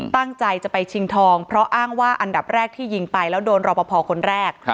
ตั้งใจจะไปชิงทองเพราะอ้างว่าอันดับแรกที่ยิงไปแล้วโดนรอปภคนแรก